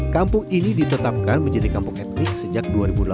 kampung ini ditetapkan menjadi kampung etnik sejak dua ribu delapan belas